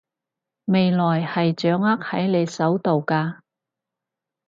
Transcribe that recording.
未來係掌握喺你手度㗎